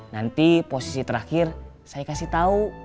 nanti posisi terakhir saya kasih tahu